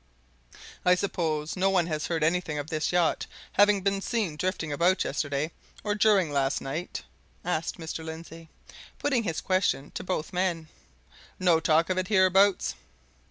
"I suppose no one has heard anything of this yacht having been seen drifting about yesterday, or during last night?" asked Mr. Lindsey, putting his question to both men. "No talk of it hereabouts?"